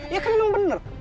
ya kan yang bener